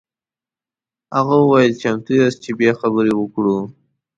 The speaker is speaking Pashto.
هغه وویل چمتو یاست چې بیا خبرې وکړو.